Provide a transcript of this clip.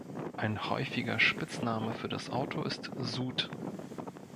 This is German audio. Ein häufiger Spitzname für das Auto ist „Sud“.